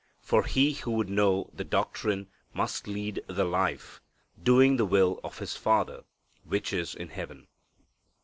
For he who would know the doctrine must lead the life, doing the will of his Father which is in Heaven.